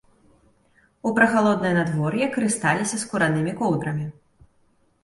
У прахалоднае надвор'е карысталіся скуранымі коўдрамі.